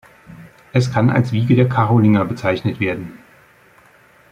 Es kann als Wiege der Karolinger bezeichnet werden.